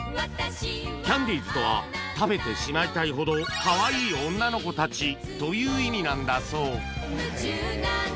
キャンディーズとは「食べてしまいたいほどかわいい女の子たち」という意味なんだそう